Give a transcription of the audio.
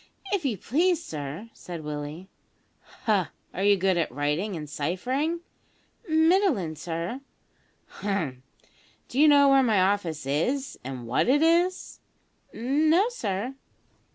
"If you please, sir," said Willie. "Ha! are you good at writing and ciphering?" "Middlin', sir." "Hum! D'you know where my office is, and what it is?" "No, sir."